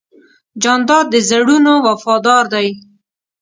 جانداد د زړونو وفادار دی.